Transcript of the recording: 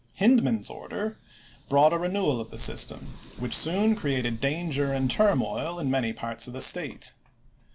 Hindman's order brought a renewal of the system, which soon created danger and turmoil in many parts of the State.